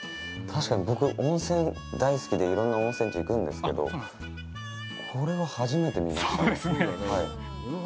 確かに、僕、温泉大好きでいろんな温泉地行くんですけどこれは初めて見ましたね。